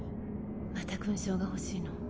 また勲章が欲しいの？